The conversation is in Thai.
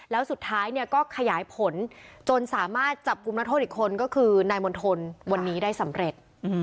แล้วสุดท้ายเนี่ยก็ขยายผลจนสามารถจับกลุ่มนักโทษอีกคนก็คือนายมณฑลวันนี้ได้สำเร็จ